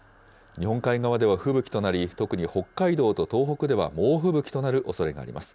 日本海側では吹雪となり、特に北海道と東北では猛吹雪となるおそれがあります。